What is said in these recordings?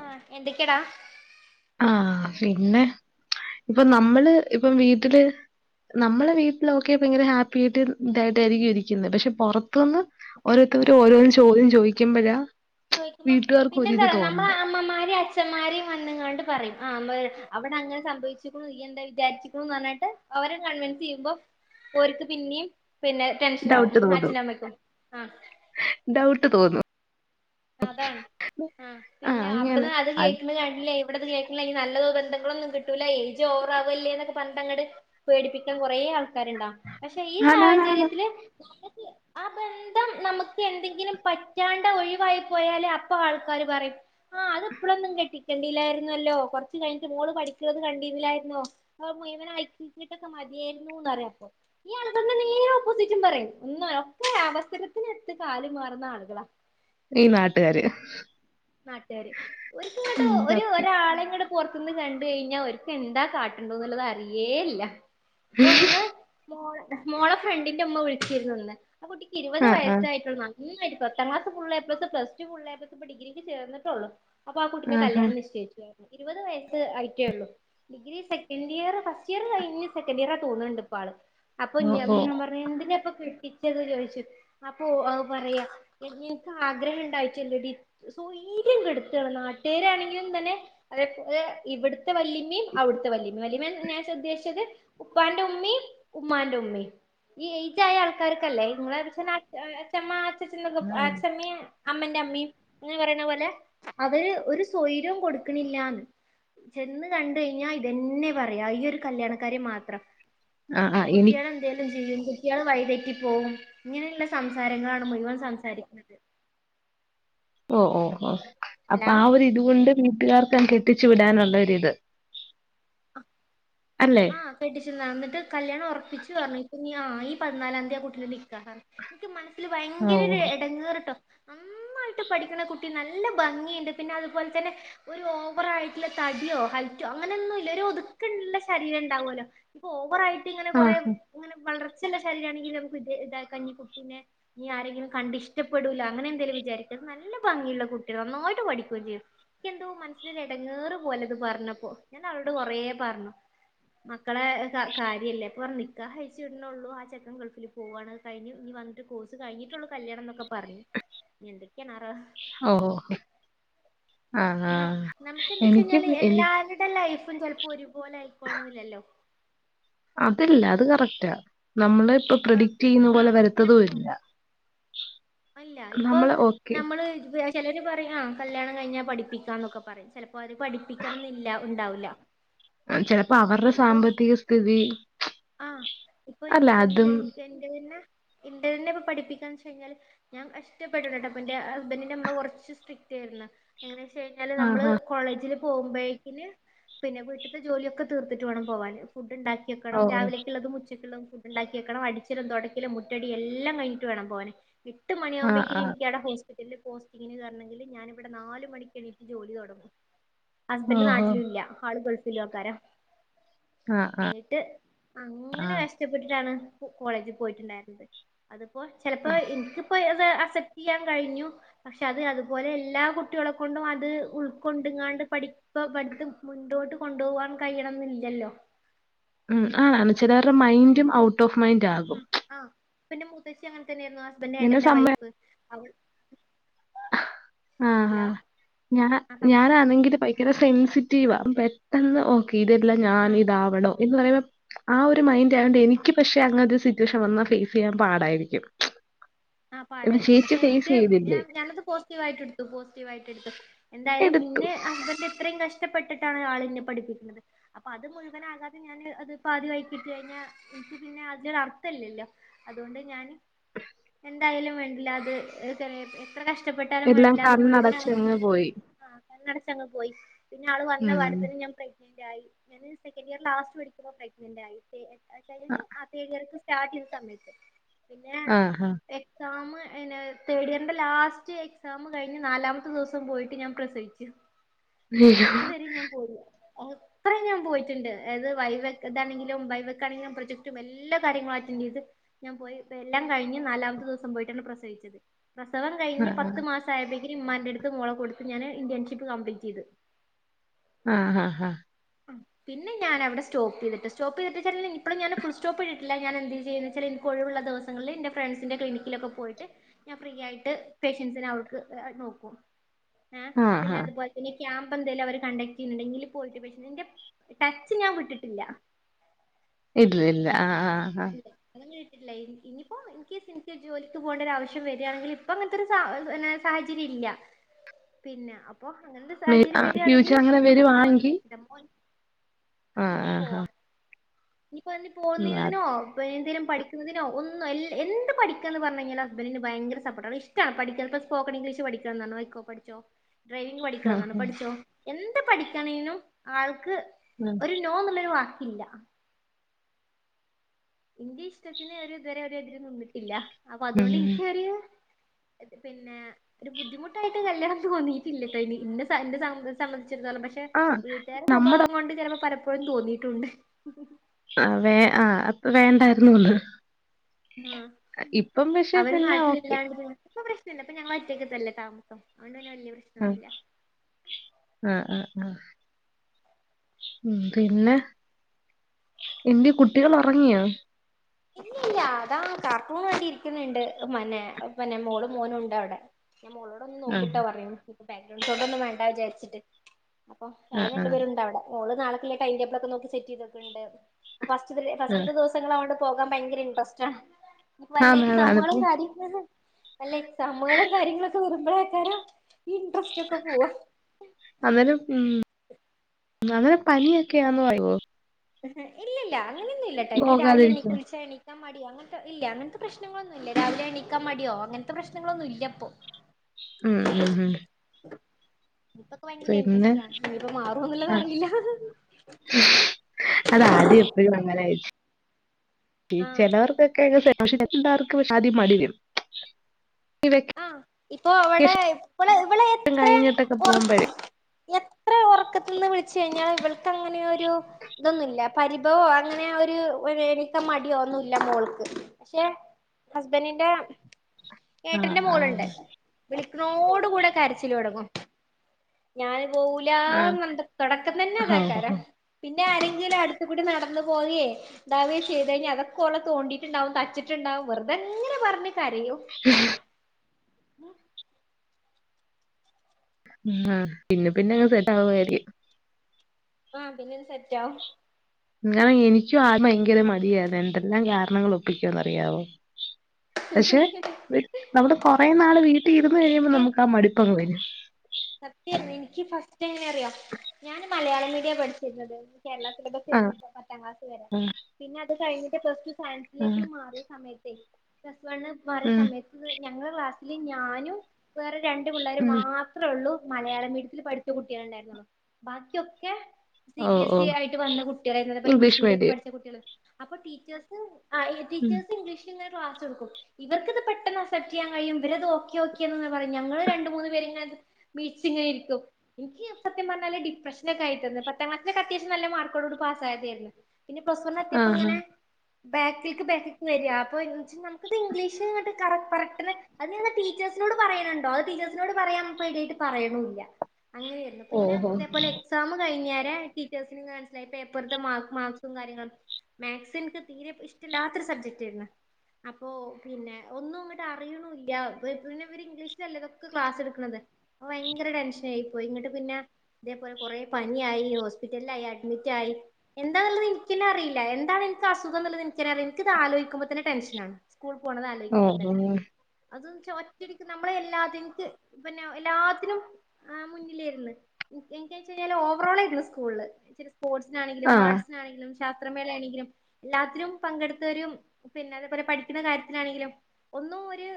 ആഹ് എന്തൊക്കെയെടാ ആഹ് പിന്നെ ഇപ്പൊ നമ്മള് ഇപ്പം വീട്ടില് നമ്മള് വീട്ടിലൊക്കെ ഭയങ്കര ഹാപ്പി ആയിട്ട് ഇതായിട്ടായിരിക്കും ഇരിക്കുന്നെ പക്ഷെ പുറത്തുന്ന് ഓരോരുത്തരു ഓരോരോ ചോദ്യം ചോദിക്കുമ്പഴ ചോയിക്കുമ്പ പിന്നെ എന്താ നമ്മ അമ്മമാര് അച്ച്ന്മാരെയും വന്നങ്ങാണ്ട് പറയും ആഹ് അവിടെ അങ്ങനെ സംഭവിച്ചിക്കുന്നു നീ എന്താ വിചാരിച്ചിക്കണന്ന് പറഞ്ഞിട്ട് അവരെ കൺവൻസ് ചെയ്യുമ്പോ ഓര്ക്ക് പിന്നേം പിന്നെ ടെൻഷനവും ഡൗട്ട് തോന്നും. അച്ഛനമ്മയ്ക്കും ആഹ് ഡൗട്ട് തോന്നു അതാണ് ആഹ് പിന്നെ അവിടുന്ന് അത് കേക്കുന്നകാട്ടിലെ ഇവിടന്ന് കേട്ടിലെങ്കിൽ നല്ലതൊ ബന്ധങ്ങളൊന്നും കിട്ടൂല്ല ഏജ് ഓറാവല്ലേ എന്നൊക്കെ പറഞ്ഞിട്ട് അങ്ങട് പേടിപ്പിക്കാൻ കൊറേ ആൾക്കാര്ണ്ടാ പക്ഷെ ഈ ആണാണാണ് സാഹചര്യത്തില് നമ്മക്ക് ആ ബന്ധം നമ്മക്ക് എന്തെങ്കിലും പറ്റാണ്ട ഒഴിവായി പോയാല് അപ്പ ആൾക്കാര് പറയും ആഹ് അത് ഇപ്പളൊന്നും കെട്ടിക്കേണ്ടില്ലായിരുന്നല്ലോ കൊറച്ച് കഴിഞ്ഞിട്ട് മോള് പഠിക്കണത് കണ്ടിരുന്നില്ലായിരുന്നോ അത് മുയിവനാക്കിട്ടൊക്കെ മതിയാരുന്നുന്നറിയും അപ്പൊ ഈ ആളുകളന്നെ നേരെ ഓപ്പോസിറ്റും പറയും ഒന്നും ഒക്കെ അവസരത്തിനൊത്ത് കാലു മാറുന്ന ആളുകളാ ഈ നാട്ടുകാര് നാട്ടുകാര് ഓർക്കിങ്ങട്ട് ഉം ഒരു സത്യം. ഒരാളെങ്ങട് പൊറത്ത്ന്ന് കണ്ട് കഴിഞ്ഞാ ഓർക്ക് എന്താ കാട്ടണ്ടന്നുള്ളത് അറിയേ ഇല്ല ഇപ്പൊ ഇന്ന് മോള മോളെ ഫ്രണ്ടിന്റെ ഉമ്മ വിളിച്ചിരുന്നു ഇന്ന് ആ കുട്ടിക്ക് ഇരുപത് ആഹ് ആഹ് വയസ്സായിട്ടൊള്ളു നന്നായിട്ട് പത്താം class, full A plus plus two, ഫുള്ളെ പ്ലസ് ഇപ്പൊ ഡിഗ്രി ക്ക് ചേർന്നിട്ടൊള്ളു അപ്പൊ ആ കുട്ടിന്റെ ആഹാ. കല്യാണം നിശ്ചയിച്ചുപറഞ് ഇരുപത് വയസ്സ് ആയിട്ടെഉള്ളൂ degree second year first year കഴിഞ് സെക്കൻഡ് ഇയറാ തോന്ന്ണണ്ട് ഇപ്പോ ആള് അപ്പൊ ഓഹ് ഞ്ഞം ഞാൻ ഓഹ് പറഞ്ഞ് എന്തിനാപ്പൊ കെട്ടി ച്ചത് ചോയിച്ചു അപ്പൊ അവ് പറയാ ഇൻക് ആഗ്രഹണ്ടായിട്ടല്ലെടി സോയിര്യം കെടുത്താണ് നാട്ടുകാരാണെങ്കിലും തന്നെ അതെഅത് ഇവിടുത്തെ വല്ലിമ്മീം അവിടുത്തെ വല്ലിമ്മീം വല്ലിമ്മന്ന് ഞാ ഉദ്ദേശിച്ചത് ഉപ്പാന്റെ ഉമ്മീം ഉമ്മാന്റെ ഉമ്മീംഈ ഏജ് ആയ ആൾക്കാര്ക്കല്ലേ ഇങ്ങളേച്ചേ ആഹ് അഛമ്മ അച്ചച്ചൻ ന്നൊക്കെ അച്ചമ്മയും അമ്മന്റെ അമ്മയും ന്ന് പറയണ പോലെ അവര് ഒരു സ്വയ്രോം കൊടുക്കണില്ലാന്ന് ചെന്ന് കണ്ട് കഴിഞ്ഞാ ഇതെന്നെ പറയാ ഈ ഒരു കല്യാണക്കാര്യം മാത്രം ആഹ് ആഹ് എനി കുട്ടികളെ എന്തേലും ചെയ്യും കുട്ട്യാള് വഴിതെറ്റി പോവും ഇങ്ങനെയുള്ള സംസാരങ്ങളാണ് മുഴുവൻ സംസാരിക്കുന്നത് ഓഹ് ഓഹ് ഓഹ് ഹലോ അപ്പാ ഒരിതുകൊണ്ട് വീട്ടുകാർക്കങ് കെട്ടിച്ചുവിടാനുള്ളൊരിത് അല്ലെ ആ കെട്ടിച്ചിന്നെ അന്നിട്ട് കല്യാണംഒറപ്പിച്ച് പറഞ്ഞു ഇപ്പനീ ആഹ് ഈ പതിനാലാം തിയ കുട്ടിന്റെ നിക്കാഹണ് എനിക്ക് മനസ്സിൽ ഭയങ്കര ഒരു ഓഹ് എടങ്ങേറ്ട്ടോ നന്നായിട്ട് പഠിക്കണ കു ട്ടി നല്ല ഭംഗിണ്ട് പിന്നെ അതുപോലെ തന്നെ ഒരു ഓവറായിട്ടുള്ള തടിയോ ഹയ്റ്റോ അങ്ങനെന്നുല്ല ഒരു ഒതുക്കള്ള ശരീരം ണ്ടാവുല്ലോ ഇപ്പൊ ഓവറായിട്ട് ഇങ്ങനെ കൊറേ ആഹ് ഇങ്ങനെ വളർച്ചല്ല ശരീരാണെങ്കി നമ്മക്ക് ഇ ഇതാക്കഞ്ഞിക്കുട്ടീനെ ഇനി ആരെങ്കിലും കണ്ട് ഇഷ്ടപ്പെടൂല അങ്ങനെ എന്തേലും വിചാരിക്ക നല്ല ഭംഗിള്ള കുട്ടിള നന്നായിട്ട് പഠിക്കും ചെയ്യും എനിക്കെന്തോ മനസ്സിനൊരിടങ്ങേറ് പോലത് പറഞ്ഞപ്പോ ഞാൻ അവളോട് കൊറേ പറഞ്ഞു. മക്കളെ കാര്യല്ലേ ഇപ്പ പറഞ്ഞു നിക്കാഹ് കഴിച്ച് ഇട്ണൊള്ളൂ ആ ചെക്കൻ ഗൾഫിൽ പോവാണ്. കഴിഞ്ഞ് ഇനി വന്നിട്ട് കോഴ്സ് കഴിഞ്ഞിട്ടൊള്ള കല്യാണം ന്നൊക്കെ പറഞ്ഞു ഇനി എന്തൊക്കെയാണ് അറോ ഓഹ് ഓഹ് ന നമുക്ക് എന്തച്ച എനിക്ക് കഴിഞ്ഞാല് എനി എല്ലാരുടെ ലൈഫും ചെലപ്പോ ഒരുപോലെ ആയിക്കോണന്നില്ലല്ലോ? അതില്ല അത് കറക്റ്റാ നമ്മള് ഇപ്പൊ ആഹ് പ്രഡിക്റ്റ് ചെയ്യുന്ന പോലെ ആഹ് വരുത്തതും ചിലപ്പോ ഇല്ല. അല്ല ഇപ്പൊ നമ്മള് ഓക്കെ നമ്മള് ചെലര് പറയും ആഹ് കല്യാണം കഴിഞ്ഞാ പഠിപ്പിക്കാന്നൊക്കെ പറയും ചെലപ്പോ അവര് പഠിപ്പിക്കണംന്നില്ല ഉണ്ടാവില്ല. ചെലപ്പം അവരുടെ ഇപ്പൊ സാമ്പത്തിക സ്ഥിതി ആഹ് ഇപ്പൊ അല്ല എനിക്ക് ന്നെ അതും എനിക്ക് എന്റെതന്നെ ഇന്റെതന്നെ ഇപ്പം പഠിപ്പിക്കാന്ന് വച്ച് കഴിഞ്ഞാല്. ഞാൻ കഷ്ടപ്പെട്ട്ട്ടോ അപ്പന്റെ ഹസ്ബൻറിന്റെ ഇമ്മ കൊറച്ച് സ്ട്രിക്റ്റ് എയിരിന്ന് എങ്ങനെ വെച്ചഴിഞ്ഞാല് നമ്മള് ആഹാ കോളേജില് പോകുമ്പോഴേക്കിന് പിന്നെ വീട്ടിത്തെ ജോലിയൊക്കെ തീർത്തിട്ട് വേണം പോവാന്. ഫുഡ് ണ്ടാക്കി ഓ വെക്കണം. ഓ. തും ഉച്ചക്ക്ള്ളതും ഫുഡ്‌ ണ്ടാക്കിവെക്കണം അടിച്ചിലും തൊടക്കലും മുറ്റടി എല്ലാം കഴിഞ്ഞിട്ട് വേണം പോവന്. എട്ട് ആ മണിയാവുമ്പഴേക്കിന് ആ ഇൻക്കവിടെ ഹോസ് പിറ്റലില് പോസ്റ്റിങ്ങിന് കേറണെങ്കില് ഞാനിവിടെ നാല് മണിക്ക് എണീട്ട് ജോലി തൊടങ്ങും. ഹസ്ബന്ഡറ് ഓഹോ നാട്ടിലുല്ല ആള് ഗൾഫിലേക്കാരം. ആ ആ ന്നിട്ട് ആ അങ്ങനെ കഷ്ടപ്പെട്ടിട്ടാണ് കോളേജിൽ പോയിട്ടുണ്ടായിരുന്നത്. അതിപ്പോ ആ. ചെലപ്പോ ഇൻക്കിപ്പോ അത് അക്സെപ്റ്റെയ്യാൻ കഴിഞ്ഞു. പക്ഷെ അത് അതുപോലെ എല്ലാ കുട്ടികളെ കൊണ്ടും അത് ഉൾക്കൊണ്ടിങ്ങാണ്ട്. പഠി ഇപ്പൊ അവിടുത്ത് മുന്നപോട്ട് കൊണ്ടുപോകാൻ കഴിയണംന്നില്ലല്ലോ ഉ ആതാണ് ചിലരുടെ മൈൻഡും ഔട്ട് ഓഫ് മൈൻഡ് ആകും. ആഹ് പിന്നെ മുത്തച്ചി അങ്ങനെ തന്നെയായിരുന്നു ഹസ്ബൻഡ എന്നെ ഏട്ടന്റെ സമ്മ വൈഫ്. അവ ആഹ ആ ഹലോ ഞാ ആ പറഞ്ഞോ ഞാനാണെങ്കില് ഭയങ്കര സെൻസിറ്റീവ. പെട്ടെന്ന് ഒ കേട് വരൂല ഞാൻ ആ ഇതാവണം. എന്ന് പറയുമ്പോൾ ആ ഒരു മൈൻഡ് ആയൊണ്ട് എനിക്ക് പക്ഷെ അങ്ങനത്തെ ഒരു സിറ്റുവേഷൻ വന്നാൽ ഫേസ് ചെയ്യാൻ പാടായിരിക്കും. ആ ഇത് പാടായിരിക്കും ചേച്ചി പക്ഷെ ഫേസ് എനിക്ക് ഞാ ചെയ്തില്ലേ ഞാനത് പോസിറ്റീവായിട്ട് എടുത്തു. പോസിറ്റീവ് ആയിട്ട് എടുത്തു. എന്തായാലും എടുത്തു ഇന്നെ അസ്ബന്റ് ഇത്രയും കഷ്ടപ്പെട്ടിട്ടാണ്. ആൾ ഇന്നെ പഠിപ്പിക്കുന്നത്. അപ്പൊ അത് മുഴുവനാകാതെ ഞാന് അത് പാതി വഴിക്കിട്ട് കഴിഞ്ഞാ എനിക്ക് പിന്നെ ഒരു അർത്ഥമല്ലല്ലോ? അതുകൊണ്ട് ഞാന്. ഉ [inaudible] എന്തായാലും വേണ്ടില്ല അത് എത്ര കഷ്ടപ്പെട്ടാലും എല്ലാം വേണ്ടില്ല അത് മുഴുവനക്ക്. കണ്ണടച്ചങ്ങ് പോയി ആഹ്ടച്ചങ്ങങ് പോയി. പിന്നെ ആള് വന്ന ഉം. പാടത്തന്നെ ഞാൻ പ്ര സെക്കൻ്റ് ഇയർ ലാസ്റ്റ് പഠിക്കുമ്പോ പ്രെഗ്ന്റ്ആയി [unintelligible] ആ സ്റ്റാർട്ട് ചെയ്യുന്ന സമയത്ത്. പിന്നെ ആഹ ആഹ് എക്സാം പിന്നെ തേർഡ് ഇയറിന്റെ ലാസ്റ്റ് എക്സാം കഴിഞ്ഞ് നാലാമത്തെ ദിവസം പോയിട്ട് ഞാൻ പ്രസവിച്ചു. [inaudible] അതുവരെ ഞാൻ പോയി. [inaudible] ഞാൻ പോയിട്ടുണ്ട് അത് വൈവ ഇതാണെങ്കിലും വൈവക്കാണെങ്കിലും പ്രൊജക്ടും എല്ലാ കാര്യങ്ങളും അറ്റൻഡ് ചെയ്ത്. ഞാൻ പോയി എല്ലാം കഴിഞ്ഞ് നാലാമത്തെ ദിവസം പോയിട്ടാണ് പ്രസവിച്ചത് പ്രസവം ആ കഴിഞ്ഞ് പത്തു മാസം സാഹബേി ഇമാന്റെടുത്ത് മോളെ കൊടുത്ത് ഞാന് ഇന്റേൺഷിപ്പ് കംപലീറ്റ് ചെയ്ത് ആഹ് ആഹ് ആ പിന്നെ ഞാനവിടെ സ്റ്റോപ്പ്യ്തി് സ്റ്റോപ്യത് വച്ച ഇപ്പളും ഞാ ഫുൾ സ്റ്റോ്പ്പ്ട്ടിട്ടില്ല ഞാ എന്ത് ചെയ്യ വച്ചാ കൊഴിവുള്ള ദിവസങ്ങളിൽ എന്റെ ഫ്രണ്ട്സിന്റെ ക്ലിനിക്കിലൊക്കെ പോയിട്ട് ഞാൻ ഫ്രീ ആയിട്ട് പേഷ്യൻസിനെ അവൾക്ക് നോക്കും ആ പിന്നെ അതുപോലെന്നെക്യാമ്പ്ന്തങ്കലും അവ കണ്ടക്ട് ചെയ്യുന്നുണ്ടെങ്കിൽ പോയിട്ട് പക്ഷ എന്റെ ടച്ച് ഞാൻ വിട്ടിട്ടില്ല വിട്ടിട്ടില്ല ആഹ് ആഹ് അതൊും വീട്ടില്ല [unintelligible] ഇൻ കേസ് എനിക്ക് ജോലിക്ക് പോകേണ്ട ഒരു ആവശ്യം വരികയാണെങ്കിൽ ഇപ്പൊ അങ്ങനത്തെ ഒരുരു സാഹചര്യംല്ല പിന്നെ അപ്പൊ അങ്ങനത്തെ സാഹചര്യം ആ ഫ്യൂച്ചർ വരുവാണെങ്കില് അങ്ങനെ അപ്പൊ പോവാ വരുവാണെങ്കിൽ ചച്ചട പോ ആ ആഹ് എനിക്ക് ആ ആ പോവാ ഇനിക്ക് അന്ന പോകുന്ന ഉം, അത് ഓ എന്തെങ്കലും പഠിക്കുന്നതിനോ ഒന്ന് എന്ത് പഠിക്കന്ന് പറഞ്ഞ കഴിഞ്ഞാൽ ഹസ്ബൻഡിന് ഭയങ്കര സപ്പോർട്ടാണ് ഇഷ്ടം പഠിക്കുന്നത് ഇപ്പോ സ്പോക്കൺ ഇംഗ്ലീഷ് പഠിക്കണംാണോയിക്കോ പഠിച്ചോ ഡ്രൈവിങ് ആ പഠിക്കണം എന്നാണ് ആ പഠിച്ചോ എന്ത് പഠിക്കണേനും ആൾക്ക് ഉം ഒരു നോ ന്നുള്ളയോ ആക്കില്ല ഇന്റെ ഇഷ്ടത്തിന് അവ ഇതുവരെ അവരെതിര് നിന്നിട്ടില്ല അപ്പൊ അതുകൊണ്ട് ഉം. എനിക്ക അറിയ അത് പിന്നെ ഒരു ബുദ്ധിമുട്ടായിട്ട് കല്യാണം തോയിട്ടില്ല ഇനി ഇന്ന സംബന്ധിച്ചിത്തളംക്ഷെ പക്ഷെ ആ വീട്ടുകാര നമ്മുടെ സ്വഭാവം കൊണ്ട് ചിലപ്പോ പലപ്പോഴും തോന്നിയിട്ടുണ്ട് ആ വേ ആ അപ്പ വേണ്ടായിരുന്നുന്ന് ആഹ് ഇപ്പം പക്ഷെ അവര് പിന്നെ നാട്ടില ഓക്കെ ഇല്ലാണ്ട് ല്ല അ ഞങൾ ഒറ്റക്കല്ല താമസം അതുകൊ തന്ന വലിയ പ്രശ്നല്ല ഉം ആഹ് ആഹ് ആഹ് ആഹ് ഉം പിന്നെ എന്ത്യെ കുട്ടികൾ ഇറങ്ങിയാ ഇല്ലില്ല അതാ കാർട്ടൂൺ കണ്ട് ഇരിക്കുന്നുണ്ട് മന്നെ പിന്നെ മോള് മോനും ഉണ്ട് അവിടെ ന് മോള് അവിന്ന് ആ നോക്കിട്ടോ പറയും ഇപ്പൊ ബാക്ക്ഗ്രൗണ്ട് ോട്ടൊന്നും വേണ്ടാ വിചാരിചിട്ട് അപ്പൊ ആ എവിടെ ആ രണ്ടുപേരുണ്ട് അവിടെ ഓള് നാളേക്കുള്ള ടൈം ടേബിൾ ഒക്കെ നോക്കീട്ട് സെറ്റുചെയ്യുന്നുണ്ട് ഫസ്റ്റ് പീരിയഡ് ആ ഫസ്ത്തെ ദിവസങ്ങള പോകാൻ ഭയങ്കര ഇൻട്രസ്റ്റ് ആണ് വല്ല അതാണ് അതാണ് എക്സാമുകളും കാര്യ അല്ല എക്സാമുകളും കാര്യങ്ങളൊക്കെ വരുമ്പോഴക്കാരം ഈ ഇൻട്രസ്റ്റ് ഒക്കെ പോവാ. അന്നേരം ഉം അങ്ങനെ പനിയൊക്കെയാന്ന് പറയവോ ഇല്ല ഇല്ലാ അങ്ങനൊന്നും ഇല്ല ട്ടോ ഇനി രാവിലെ എണക്ക് പോകാതിരിക്കാൻ വിളിച്ച എണക്ക് മടിയോ അങ്ങനത്തെ ഇല്ല അങ്ങനത്തെ പ്രശ്നങ്ങളൊന്നും ഇല്ല രാവില എണീക്കാൻ മടിയോ അങ്ങനത്തെ പ്രശ്നങ്ങളൊന്നും ഇല്ലപ്പോ ഉം ഉം ഉം ഇപ്പൊക്കെ ഭയങ്കര പിന്നെ ഇൻട്രസ്റ്റ് ആ നീപ്പ മാറുംന്നുള്ളത് അറിയില്ല അത ആദ്യം എപ്പോഴും അങ്ങനെയ ഈ ആഹ് ചിലവർക്കൊക്കെക്ഷാർക്ക്ക് ആദ്യം മടിവരും ആഹ് ഇപ്പൊ അവിടെ ഇപ്പളെ ഇവിടെ വെക്കേഷൻ എത്ര കഴിഞ്ഞിട്ടൊക്കെ പോകുമ്പോഴേ എത്ര ഉറക്കത്തിന്ന് വിളിച്ചു കഴിഞ്ഞാൽ ഇവൾക്ക് അങ്ങനെയൊരു ഇതൊന്നുല്ല പരിഭവോ അങ്ങനെ ഒരു എണിക്ക മടിയോ ഒന്നുല്ല മോൾക്ക് പക്ഷെ ഹസ്ബന്റിന്റെ ഏട്ടന്റെ മോള്ണ്ട് ആഹ് വിളിക്കുണോട് കൂടെ കരച്ചില് തൊടങ്ങും ഞാന് പോവൂലാന്ന് ആഹ് പർഞ്ഞിട്ട് തൊടക്കം തന്നെ ഹോ അതാക്കാരാ ഹോ പിന്നെ ആരെങ്കിലും അടുത്തുകൂടി നടന്നു പോകെ ഇതാവേ ചെയ്ത് കയിഞ്ഞാ അതൊക്കെ ഓളെ തോണ്ടിട്ടുണ്ടാവും തച്ചിട്ടുണ്ടാവും വെറുതെ ഇങ്ങനെ പറഞ്ഞ് കരയും ഉഹ്. ആഹ് പിന്നെ പിന്നെ അങ്ങ് സെറ്റാവു ആയിരിക്കും. ആഹ് പിന്നെ [unintelligible] സെറ്റാ ഞാൻ എനിക്കും ആദ്യം ഭയങ്കര മടിയായിരുന്നു എന്തെല്ലാം കാരണങ്ങൾ ഒപ്പിക്കോന്ന് അറിയാവോ. പക്ഷെ വീ നമ്മള് കൊറെ നാള് വീട്ടി ഇരുന്ന് എനിക്ക് കഴിയുമ്പോ നമ്മക്കാ മടിപ്പങ്ങ് വരും സത്യാരുന്ന് ഇനിക്ക് ഫസ്റ്റ് എങ്ങനെ അറിയോ ഞാൻ മലയാളം മീഡിയാ പഠിച്ചിരുന്നത് കേരളാ ആഹ് സിലബസാര്ന്ന്ട്ടോ പത്താം ക്ലാസ്സ് വരെ പിന്നെ അത് കഴിഞ്ഞിട്ട് പ്ലസ് ടു ആഹ് സയൻസിലേക്ക് മാറിയ സമയത്തേ പ്ലസ്സ് വണ്ണ് മാറിയ ഉം സമയത്ത് ഞങ്ങളെ ക്ലാസ്സില് ഞാനും വേറെ രണ്ട് പിള്ളേരും ഉം മാത് മാത്രോ ഉള്ളൂ മലയാള മീഡിയത്തിൽ പഠിച്ച കുട്ടികൾ ഉണ്ടായിരുന്നള്ളൂ ബാക്കിയൊക്കെ C O B O S E ആയിട്ട് വന്ന കുട്ട്യേളെ അത്പോലെ ഇംഗ്ലീഷ് മീഡിയൊക്കെ പഠിച്ച കുട്ട്യേള് അപ്പൊ ടീച്ചേഴ്സ് ആഹ് ഈ ഉം ടീച്ചേഴ്സ് ഇംഗ്ലീഷ് ഇങ്ങനെ ക്ലാസ്സ്‌ [unintelligible] ഇവർക്ക്ത് പെട്ടന്ന് അക്സെപ്റ്റ് ചെയാൻ കയ്യും ഇവരത് ഓക്കെ ഓക്കെ പറയും ഞങ്ങള് രണ്ട് മൂന്ന് പേര്ങ്ങനെ മിഴിച്ചിങ്ങനെയിരിക്കും. ഇനിക്ക് സത്യം പറഞ്ഞാല് ഡിപ്രഷനൊക്കെ ആയി തീർന്ന് പത്താം ക്ലാസ്സിലൊക്കെ അത്യാവശ്യം നല്ല മാർക്കോട് കൂടെ പാസ് ആയതായിരുന്നു പിന്നെ പ്ലസ് വൺ എത്തിയപ്പ ആഹ് ഇങ്ങനെ ബാക്കിൽക്ക് ബാക്കിൽക്ക് വെരാ അപ്പോ [unintelligible] ഇത് ഇംഗ്ലീഷ് ഇങ്ങട്ട് കറക്റ്റ് [unintelligible] അത് ഞങ്ങള് ടീച്ചേഴ്സിനോട് പറയണണ്ടോ അത് ടീച്ചേഴ്സിനോട് പറയാൻ പേടിയായിട്ട് പറയണൂല്ലാ അങ്ങനെയാ ഓ പിന്നെ ഓ ഇതേപോലെ എക്സാമ് കഴിഞ്ഞേരെ ടീച്ചേഴ്സിനെന്നെ മനസ്സിലായി പേപ്പറ്ത്തെ മാ മാർക്കും കാര്യങ്ങളൊക്കെ മാത് സ് ഇൻക്ക് തീരെ ഇഷ്ട്ടല്ലാത്തൊരു സബ്ജക്റ്റ് ആയിരുന്ന് അപ്പൊ പിന്നെ ഒന്നും ഇങ്ങട്ട് അറിയണൂല്ലാ എ പ് പിന്നെ ഇവര് ഇംഗ്ലീഷിലല്ലേ ഇതൊക്കെ ക്ലാസ്സ് എടുക്കണത് അപ്പ ഭയങ്കര ടെൻഷനായിയിപ്പോയി എന്നിട്ട് പിന്നെ ഇതേപോലെ കൊറേ പനിയായി ഹോസ്പിറ്റലിലായി അഡ്മിറ്റ് ആയി എന്താന്ന്ള്ളത് ഇൻക്കെന്നെ അറിയില്ലാ എന്താണ് ഇൻക്ക് അസുഖന്ന്ള്ളത് ഇൻക്കെന്നെ അറിയില്ലാ ഇൻക്കത് ആലോചിക്കുമ്പോ തന്നെ ടെൻഷനാ സ്കൂള് പോണത് ഓ ആലോചിക്കുമ്പോ ഓ തന്നെ അത്‌ന്നെച്ചാ ഒറ്റടിക്ക് നമ്മളെ എല്ലാതിൻക്ക് പിന്നെ എല്ലാത്തിനും ആഹ് മുന്നിലേരുന്നു ഇൻക്ക് ഇൻക്കെച്ചാല് ഓവറോൾ ആയിരുന്നു സ്കൂളില് സ്പോർട്സിനാണങ്കിലും ആഹ് ആർട്സിനാണെങ്കിലും ശാസ്ത്രമേള ആണെങ്കിലും എല്ലാത്തിനും പങ്കെടുത്തുവരും പിന്നെ അതേപോലെ പടിക്ക് ക്കണ കാര്യത്തിനാണെങ്കിലും ഒന്നും ഒരു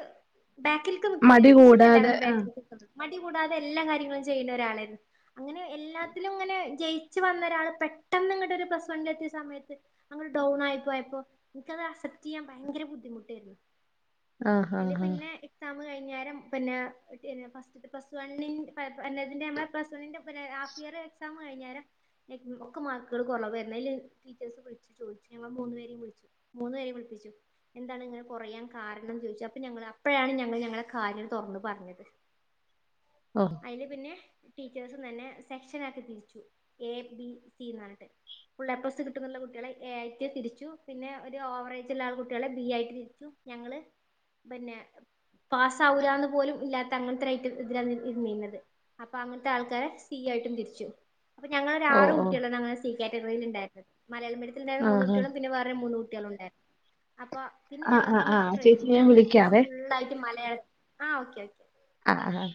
ബാക്കിൽക്ക് നിക്കൂലാ മടി എനിക്കിഷ്ട്ടല്ല കൂടാതെ അങ്ങനെ ബാക്കിൽ മടി കൂടാതെ എല്ലാ കാര്യങ്ങളും ചെയ്യുന്ന ഒരാളായിരുന്നു അങ്ങനെ എല്ലാത്തിലും ഇങ്ങനെ ജയിച്ചു വന്ന ഒരാള് പെട്ടെന്ന് ഇങ്ങട്ട് ഒരു പ്ലസ് വൺ എത്തിയ സമയത്ത് അങ്ങട് ഡൗൺ ആയി പോയപ്പോ എനിക്കത് അസപ്റ്റെയ്യാൻ ഭയങ്കര ബുദ്ധ് ബുദ്ധിമുട്ടായിരുന്നു ആഹ് അല്ലേ ആഹ് ആഹ് പിന്നെ എക്സാം കഴിഞ്ഞാരം പിന്നെ [unintelligible] ഫസ്റ്റ് പ്ലസ് വണ്ണി [unintelligible] പ്ലസ് വണ്ണിന്റെ [unintelligible] ഫസ്റ്റ് ഇയർ എക്സാം കഴിഞ്ഞാരം ഒക്കെ മാർക്കള് കൊറവായിരുന്ന് അയില് ടീച്ചേഴ്സ് വിളിച്ചു ചോദിച്ചു ഞങ്ങളെ മൂന്ന് പേരെയും വിളിച്ചു ചോയിച്ച് മൂന്ന് പേരേം വിളിപ്പിച്ചു എന്താണ് ഇങ്ങനെ കൊറയാൻ കാരണം ചോദിച്ച് അപ്പൊ ഞങ്ങള് അപ്പഴാണ് ഞങ്ങള് ഞങ്ങളെ കാര്യം തൊറന്ന് പറഞ്ഞത് ആഹ് അയില് പിന്നെ ടീച്ചേഴ്സും തന്നെ സെക്ഷൻ ആക്കി തിരിച്ചു എ ബി സീന്ന് പറഞ്ഞിട്ട് ഫുള്ള എപ്ലസ് കിട്ടുന്നുള്ള കുട്ടികളെ എ ആയിട്ട് തിരിച്ചു. പിന്നെ ഒരു ഓവറേജ് ഉള്ള കുട്ടി കുട്ടികളെ ബി ആയിട്ട് തിരിച്ചു. ഞങ്ങള്ൾ പിന്നെ പാസ്സാവുല്ലന്ന് പോലും ഇല്ലാത്ത അങ്ങനത്തൊരു ഐറ്റത്തില ഇതില ന ഇരുന്നിന്നത്. അപ്പൊ അങ്ങനത്തെ ആൾക്കാരെ സി ആയിട്ടും തിരിച്ചു അപ്പൊ ഞങ്ങളൊ ഓ ആറ് ഓ കുട്ടികളാണ് ഞങ്ങടെ സി കാറ്റഗറിൽ ഉണ്ടായിരന്നത് മലയാള മീഡിയ [unintelligible] ആഹ് മൂന്നുകുട്ടികളുംപിന്നെ വേരെ മൂന്ന്കുട്ടികളും ഉണ്ടായിരുന്നു. അപ്പൊ പിന്നെ ആഹ് ഞങ്ങൾക്ക് ആഹ് അങ്ങോട്ട് ആഹ് ചേച്ചി ട്രെയിനിങ് ഞാൻ തന്നിട്ട് അത്യാവശ്യം വിളിക്കാവേ ഫുൾയിട്ട് മലയാളം ആ ഓക്കെ ഓക്കെ. ആ ആ